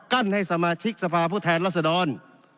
ให้สมาชิกสภาพผู้แทนรัศดร